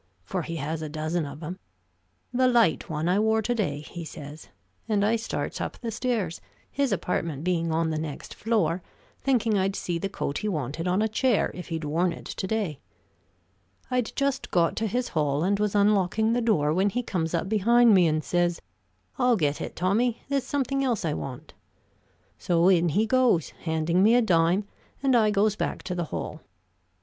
for he has a dozen of 'em. 'The light one I wore to day,' he says, and I starts up the stairs, his apartment being on the next floor, thinking I'd see the coat he wanted on a chair if he'd worn it to day. I'd just got to his hall and was unlocking the door, when he comes up behind me and says, 'I'll get it, Tommy; there's something else I want.' So in he goes, handing me a dime, and I goes back to the hall.